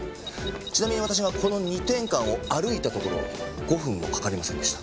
ちなみに私がこの二点間を歩いたところ５分もかかりませんでした。